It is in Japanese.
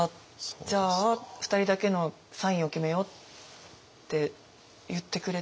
じゃあ２人だけのサインを決めよう」って言ってくれて。